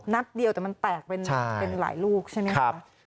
นัดเดียวแต่มันแตกเป็นหลายลูกใช่ไหมคะ